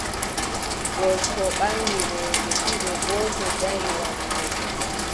Gorko ɓaŋgi rewɓe ɗiɗi, gooto danyi wamnde,